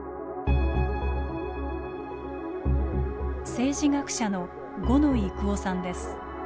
政治学者の五野井郁夫さんです。